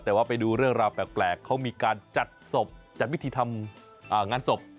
แต่ว่าไปดูเรื่องราวแปลกเขามีการจัดศพจัดวิธีทำงานศพ